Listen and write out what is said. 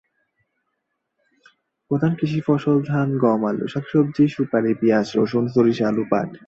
প্রধান কৃষি ফসল ধান, গম, আলু, শাকসবজি, সুপারি, পিঁয়াজ, রসুন, সরিষা, আলু, পাট।